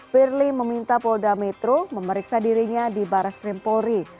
firly meminta polda metro memeriksa dirinya di baras krimpori